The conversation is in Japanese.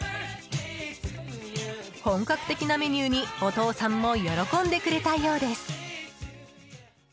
本格的なメニューにお父さんも喜んでくれたようです。